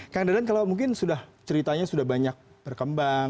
kang dadan kalau mungkin sudah ceritanya sudah banyak berkembang